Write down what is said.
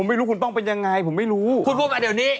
อันนี้เนี่ยมันใช่ใช่ไหม